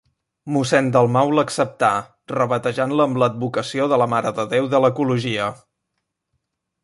Mossèn Dalmau l'acceptà, rebatejant-la amb l'advocació de la Mare de Déu de l'Ecologia.